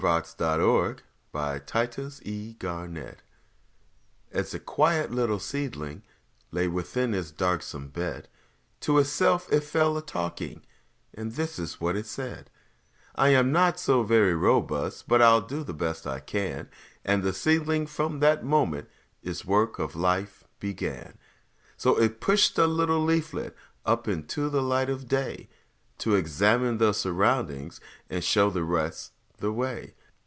Paul Laurence Dunbar The Seedling AS a quiet little seedling Lay within its darksome bed, To itself it fell a talking, And this is what it said: "I am not so very robust, But I'll do the best I can;" And the seedling from that moment Its work of life began. So it pushed a little leaflet Up into the light of day, To examine the surroundings And show the rest the way.